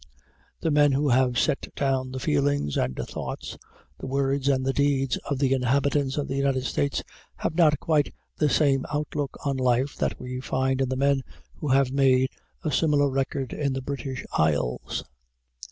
The men who have set down the feelings and the thoughts, the words and the deeds of the inhabitants of the United States have not quite the same outlook on life that we find in the men who have made a similar record in the British Isles.